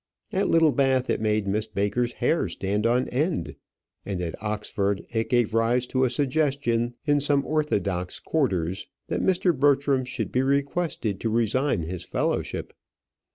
At Littlebath it made Miss Baker's hair stand on end, and at Oxford it gave rise to a suggestion in some orthodox quarters that Mr. Bertram should be requested to resign his fellowship.